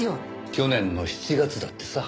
去年の７月だってさ。